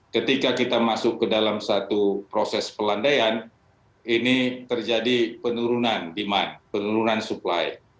ketika kita masuk ke dalam satu proses pelandaian ini terjadi penurunan demand penurunan supply